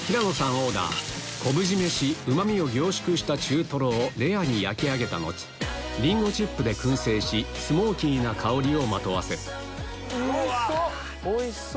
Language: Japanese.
オーダー昆布締めしうまみを凝縮したレアに焼き上げた後りんごチップで燻製しスモーキーな香りをまとわせるおいしそう！